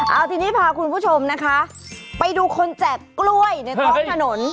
เอาทีนี้พาคุณผู้ชมนะคะไปดูคนแจกกล้วยในท้องถนน